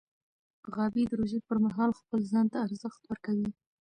غابي د روژې پر مهال خپل ځان ته ارزښت ورکوي.